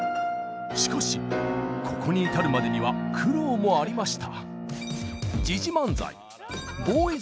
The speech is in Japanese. しかしここに至るまでには苦労もありました。